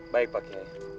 baik pak yai